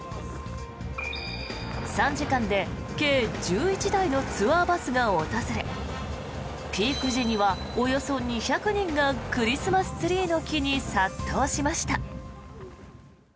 ３時間で計１１台のツアーバスが訪れピーク時にはおよそ２００人がクリスマスツリーの木に殺到しました。